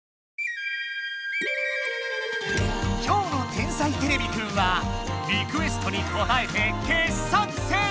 今日の「天才てれびくん」はリクエストにこたえて傑作選！